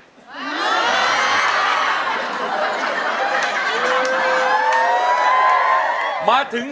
เพลงที่๒มาเลยครับ